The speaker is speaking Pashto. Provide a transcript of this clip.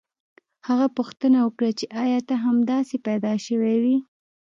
هغه پوښتنه وکړه چې ایا ته همداسې پیدا شوی وې